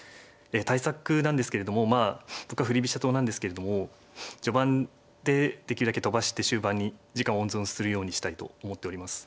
対策なんですけれどもまあ僕は振り飛車党なんですけれども序盤でできるだけ飛ばして終盤に時間温存するようにしたいと思っております。